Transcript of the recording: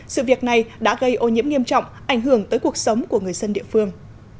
sự việc này đã gây ô nhiễm nghiêm trọng ảnh hưởng tới cuộc sống của người dân địa phương